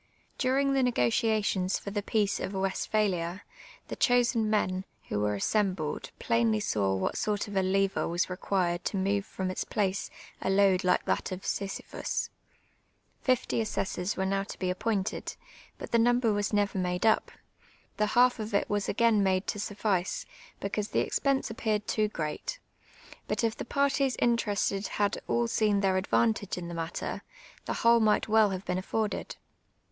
During the negotiations for the peace of Westphalia, the chosen men, who were assembled, plainly saw what sort of a lever was required to move from its place a load like that of Sisyphus. Fifty assessors were now to be appointed, but the number was never made up : the half of it was again made to suffice, because the expense appeared too great ; but if the parties interested had all seen their advantage in the matter, the whole might well have been aiforded.